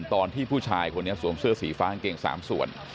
ตอนที่ผู้ชายคนนี้สวมเสื้อสีฟ้ากางเกง๓ส่วน